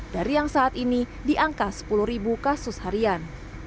dari yang saat ini di angka sepuluh kasus harian